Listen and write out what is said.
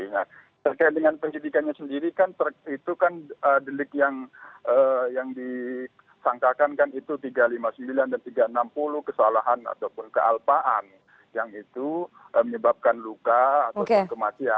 nah terkait dengan penyidikannya sendiri kan itu kan delik yang disangkakan kan itu tiga ratus lima puluh sembilan dan tiga ratus enam puluh kesalahan ataupun kealpaan yang itu menyebabkan luka ataupun kematian